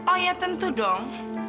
oh ya tentu dong